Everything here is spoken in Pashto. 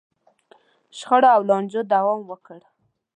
شخړو او لانجو دوام وکړ.